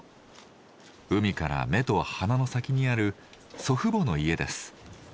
海から目と鼻の先にある祖父母の家です。